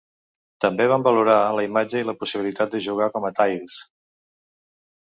També van valorar la imatge i la possibilitat de jugar com a Tails.